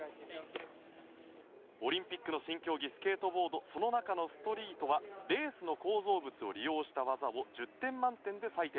オリンピックの新競技スケートボードその中のストリートはレースの構造物を利用した技を１０点満点で採点。